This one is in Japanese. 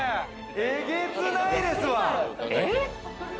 えげつないですわ。